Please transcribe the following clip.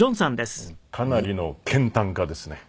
かなりの健啖家ですね。